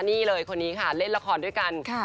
นี่เลยคนนี้ค่ะเล่นละครด้วยกัน